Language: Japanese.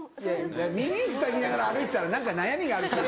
耳ふさぎながら歩いてたら何か悩みがある人でしょ。